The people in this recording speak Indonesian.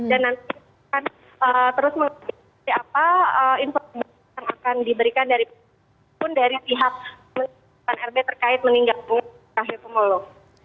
dan nanti akan terus menjelaskan apa informasi yang akan diberikan dari pihak r b terkait meninggalkan rumah